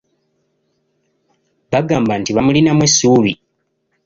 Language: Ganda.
Bagamba nti bamulinamu essuubi.